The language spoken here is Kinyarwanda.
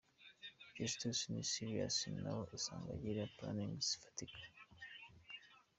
Justus ni seriuous nawe usanga agira planning zifatika.